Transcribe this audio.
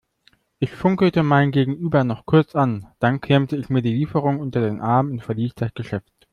Ich funkelte mein Gegenüber noch kurz an, dann klemmte ich mir die Lieferung unter den Arm und verließ das Geschäft.